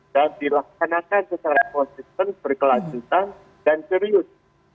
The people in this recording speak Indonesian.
dan dilaksanakan secara konsisten berkelanjutan dan serius